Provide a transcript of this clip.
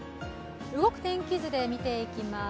動く天気図で見ていきます。